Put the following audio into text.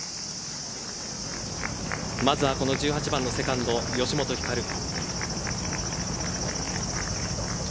まずはこの１８番のセカンド吉本ひかる。